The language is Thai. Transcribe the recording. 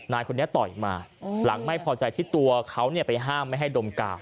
นายคนนี้ต่อยมาหลังไม่พอใจที่ตัวเขาไปห้ามไม่ให้ดมกาว